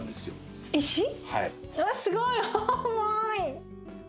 わっすごい重い！